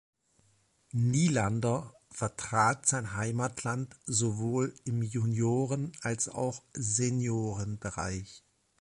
Nylander vertrat sein Heimatland sowohl im Junioren- als auch Seniorenbereich.